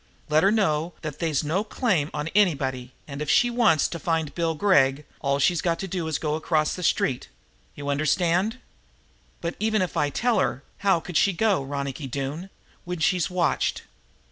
"Let her know that they's no chain on anybody, and, if she wants to find Bill Gregg, all she's got to do is go across the street. You understand?" "But, even if I were to tell her, how could she go, Ronicky Doone, when she's watched?"